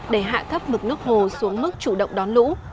để hạ thấp mực nước hồ xuống mức chủ động đón lũ